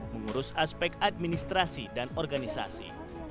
mengurus aspek administrasi dan organisasi